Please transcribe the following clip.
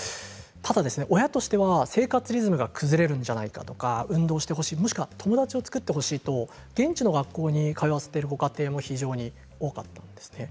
ただ親としては生活リズムが崩れるんじゃないかとか運動してほしいとか友達を作ってほしいとか現地の学校に通わせているご家庭も非常に多かったんですね。